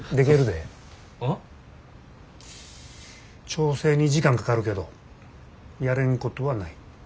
調整に時間かかるけどやれんことはない。